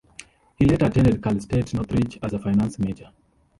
He later attended Cal State-Northridge as a finance major.